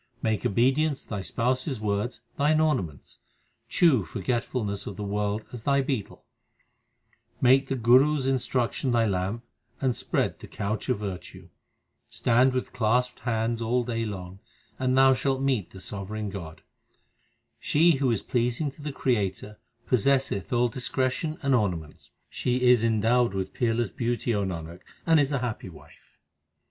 Make obedience to thy Spouse s words thine ornaments ; Chew forgetfulness of the world as thy betel ; Make the Guru s instruction thy lamp, and spread the couch of virtue. Stand with clasped hands all day long, and thou shalt meet the sovereign God. She who is pleasing to the Creator possesseth all discretion and ornaments ; She is endowed with peerless beauty, O Nanak, and is a happy wife.